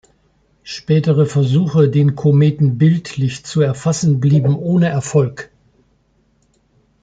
Spätere Versuche, den Kometen bildlich zu erfassen, blieben ohne Erfolg.